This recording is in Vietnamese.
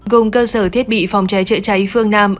gồm cơ sở thiết bị phòng cháy chữa cháy phương nam